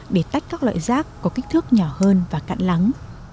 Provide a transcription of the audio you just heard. để tách các loại rác có kích thước nhỏ hơn và cạn lắng